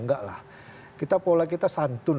enggak lah kita pola kita santun